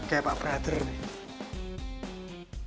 kayak pak brother nih